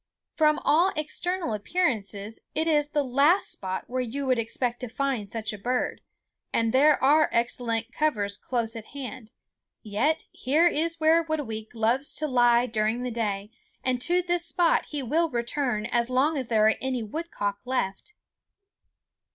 From all external appearances it is the last spot where you would expect to find such a bird, and there are excellent covers close at hand; yet here is where Whitooweek loves to lie during the day, and to this spot he will return as long as there are any woodcock left.